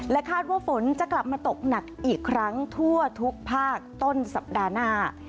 คาดว่าฝนจะกลับมาตกหนักอีกครั้งทั่วทุกภาคต้นสัปดาห์หน้า